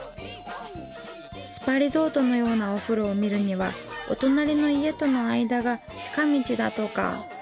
スパリゾートのようなお風呂を見るにはお隣の家との間が近道だとか。